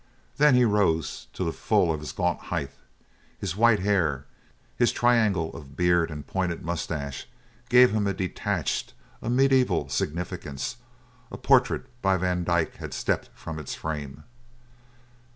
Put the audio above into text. Then he rose to the full of his gaunt height. His white hair, his triangle of beard and pointed moustache gave him a detached, a mediaeval significance; a portrait by Van Dyck had stepped from its frame.